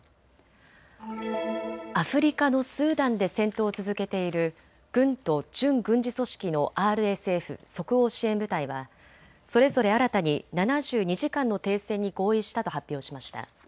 アフリカのスーダンで戦闘を続けている軍と準軍事組織のＲＳＦ・即応支援部隊はそれぞれ新たに７２時間の停戦に合意したと発表しました。